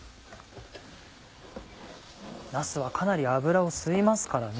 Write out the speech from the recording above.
なすはかなり油を吸いますからね。